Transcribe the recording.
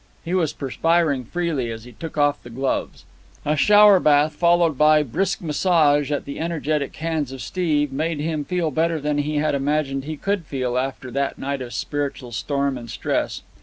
He was perspiring freely as he took off the gloves. A shower bath, followed by brisk massage at the energetic hands of Steve, made him feel better than he had imagined he could feel after that night of spiritual storm and stress.